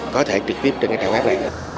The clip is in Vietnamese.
có thể trực tiếp trên cái trang web này